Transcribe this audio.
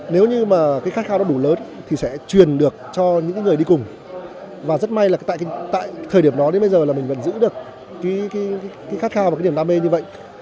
nếu như mà cái khát khao nó đủ lớn thì sẽ truyền được cho những người đi cùng và rất may là tại thời điểm đó đến bây giờ là mình vẫn giữ được cái khát khao và cái niềm đam mê như vậy